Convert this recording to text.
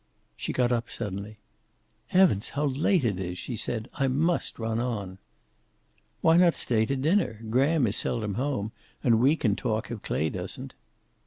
She got up suddenly. "Heavens, how late it is!" she said. "I must run on." "Why not stay on to dinner? Graham is seldom home, and we can talk, if Clay doesn't."